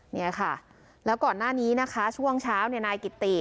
เนี่ยค่ะแล้วก่อนหน้านี้นะคะช่วงเช้าเนี่ยนายกิตติ